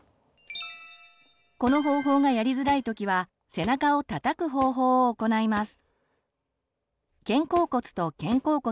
この方法がやりづらいときは背中をたたく方法を行います。